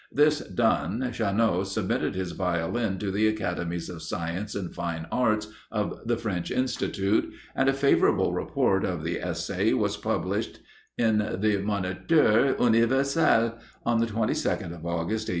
This done, Chanot submitted his Violin to the Academies of Sciences and Fine Arts of the French Institute, and a favourable report of the essay was published in the "Moniteur Universel" on the 22nd of August, 1817.